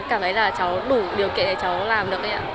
cảm thấy là cháu đủ điều kiện để cháu làm được